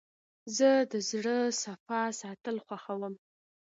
زه د زړه صفا ساتل خوښوم.